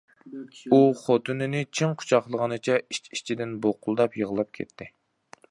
ئۇ خوتۇنىنى چىڭ قۇچاقلىغىنىچە ئىچ-ئىچىدىن بۇقۇلداپ يىغلاپ كەتتى.